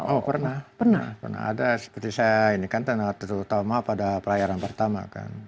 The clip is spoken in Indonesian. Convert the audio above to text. oh pernah pernah ada seperti saya ini kan terutama pada pelayaran pertama kan